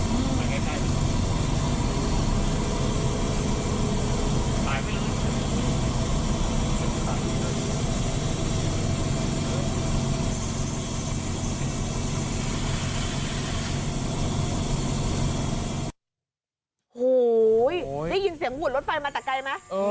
โอ้โหได้ยินเสียงหุ่นรถไฟมาแต่ไกลไหม